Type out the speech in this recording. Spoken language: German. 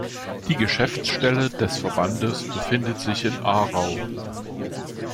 Die Geschäftsstelle des Verbandes befindet sich in Aarau.